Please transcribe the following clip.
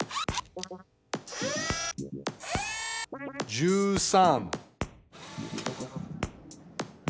１３。